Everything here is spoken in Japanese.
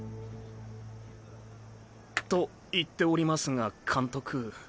と言っておりますが監督。